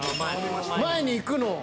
前に行くのを。